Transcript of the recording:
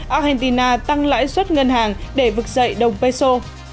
argentina tăng lãi suất ngân hàng để vực dậy đồng peso